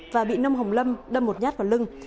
và bị nông hồng lâm đâm một nhát vào lưng